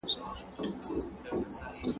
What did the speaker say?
پښتو به په انټرنیټي سیسټمونو کې ځای ونیسي.